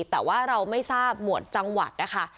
แต่ว่าเราไม่ทราบหมวดจังหวัดนะคะ